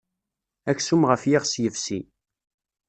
Aksum ɣef yiɣes yefsi.